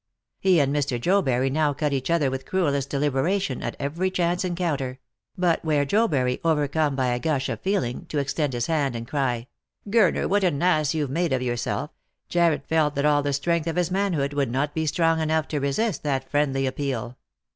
He and Mr. Jobury now cut each otkor with cruellest delibera tion at every chance encounter : but were Jobury, overcome by a gush of feeling, to extend his hand, and cry, " Gurner what an ass you've made of yourself! " Jarred felt that all the strength of his manhood would not be strong enough to resist that friendly appeal.